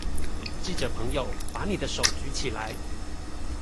記者朋友，把你的手舉起來